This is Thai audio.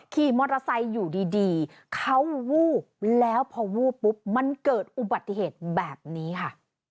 ขี่มอเตอร์ไซค์อยู่ดีเขาวูบแล้วพอวูบปุ๊บมันเกิดอุบัติเหตุแบบนี้ค่ะ